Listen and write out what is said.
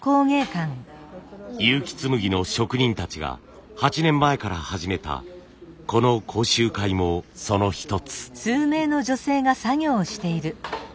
結城紬の職人たちが８年前から始めたこの講習会もその一つ。